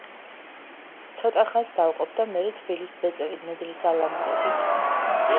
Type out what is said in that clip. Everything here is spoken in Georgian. ცოტა ხანს დავყოფ და მერე თბილისს ვეწვევი ნედლი სალამურებით.